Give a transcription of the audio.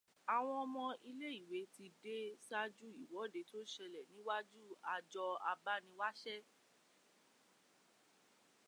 Àwọn ọmọ ilé ìwé ti dé ṣáájú ìwọ́de tó ṣẹlẹ̀ níwájú àjọ abániwáṣẹ́